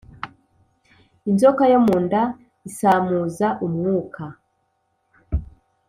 Inzoka yo mu nda isamuza umwuka,